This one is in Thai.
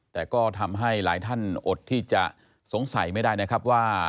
แต่ก็ทำให้หลายท่านอดที่จะสงสัยไม่ได้นะครับว่า